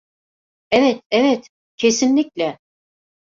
Evet, evet, kesinlikle.